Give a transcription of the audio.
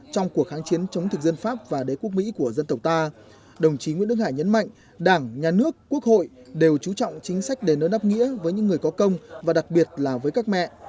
trong cuộc kháng chiến chống thực dân pháp và đế quốc mỹ của dân tộc ta đồng chí nguyễn đức hải nhấn mạnh đảng nhà nước quốc hội đều chú trọng chính sách đền ơn đáp nghĩa với những người có công và đặc biệt là với các mẹ